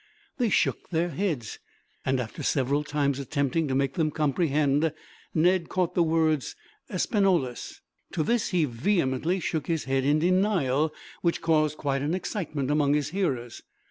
They shook their heads, and after several times attempting to make them comprehend, Ned caught the words Espanolos. To this he vehemently shook his head in denial, which caused quite an excitement among his hearers.